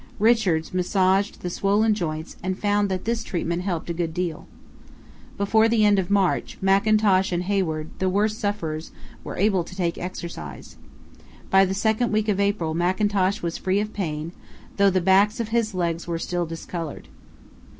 Richards massaged the swollen joints and found that this treatment helped a good deal. Before the end of March Mackintosh and Hayward, the worst sufferers, were able to take exercise. By the second week of April Mackintosh was free of pain, though the backs of his legs were still discoloured.